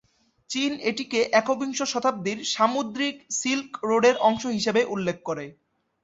চীন এটিকে একবিংশ শতাব্দীর সামুদ্রিক সিল্ক রোডের অংশ হিসাবে উল্লেখ করে।